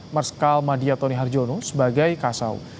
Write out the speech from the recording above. marskal madia tony harjono sebagai kasau